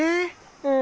うん。